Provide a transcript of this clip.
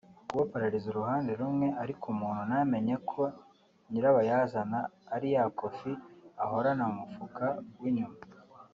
kuba pararize uruhande rumwe ariko umuntu ntamenye ko nyirabayazana ari ya kofi ahorana mu mufuka w’inyuma